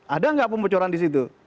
ada nggak pembocoran di situ